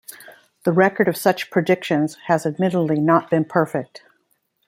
The record of such predictions has admittedly not been perfect.